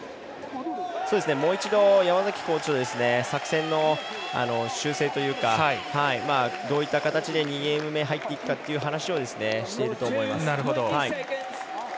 もう一度、山崎コーチと作戦の修正というかどういった形で２ゲーム目に入っていくかという話をしていると思います。